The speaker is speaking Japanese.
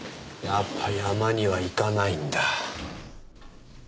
やっぱ山には行かないんだ。